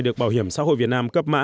được bảo hiểm xã hội việt nam cấp mã